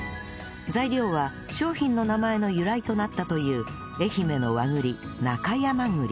材料は商品の名前の由来となったという愛媛の和栗中山栗